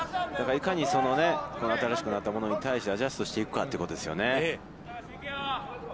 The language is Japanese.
だから、いかに新しくなったものに対してアジャストしていくかということですよね。